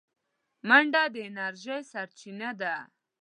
منډه د انرژۍ سرچینه ده